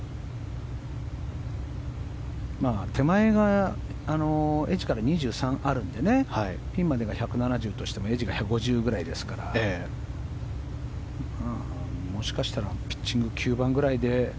手前がエッジから２３あるのでピンまでが１７０としてもエッジが１５０くらいですからもしかしたらピッチング９番ぐらいで。